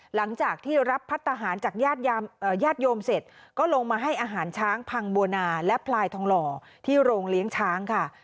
หลังจากที่รับพัฒนาหารจากญาติโยมเสร็จก็ลงมาให้อาหารช้างพังบัวนาและพลายทองหล่อที่โรงเลี้ยงช้างค่ะ